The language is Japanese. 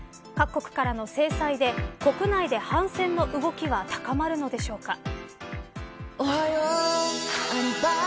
各国からの制裁で国内で反戦の動きは高まるのでしょうか。